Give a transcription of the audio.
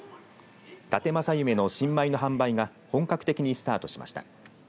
だて正夢の新米の販売が本格的にスタートしました。